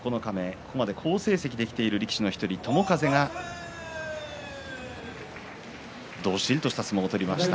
ここまで好成績できている力士の１人友風がどっしりとした相撲を取りました。